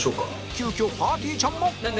急遽ぱーてぃーちゃんも